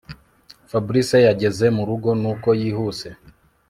Fabric yageze murugo nuko yihuse